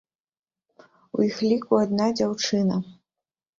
У іх ліку адна дзяўчына.